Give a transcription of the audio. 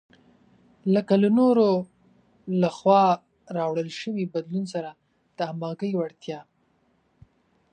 لکه له نورو لخوا راوړل شوي بدلون سره د همغږۍ وړتیا.